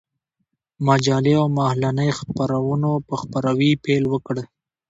مجلې او مهالنۍ خپرونو په خپراوي پيل وكړ.